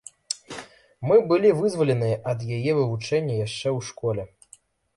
Мы былі вызваленыя ад яе вывучэння яшчэ ў школе.